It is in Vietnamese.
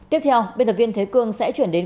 tiếp theo biên tập viên thế cương sẽ chuyển đến